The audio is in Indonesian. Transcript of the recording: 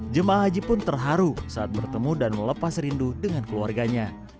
jemaah haji pun terharu saat bertemu dan melepas rindu dengan keluarganya